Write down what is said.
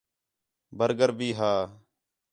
برگر بھی ہا